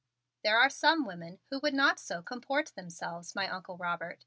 "There are some women who would not so comport themselves, my Uncle Robert.